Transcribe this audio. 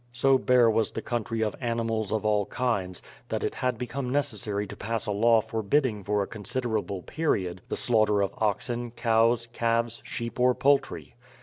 So bare was the country of animals of all kinds, that it had become necessary to pass a law forbidding for a considerable period the slaughter of oxen, cows, calves, sheep, or poultry.